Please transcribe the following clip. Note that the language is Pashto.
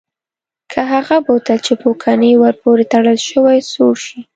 که هغه بوتل چې پوکڼۍ ور پورې تړل شوې سوړ شي؟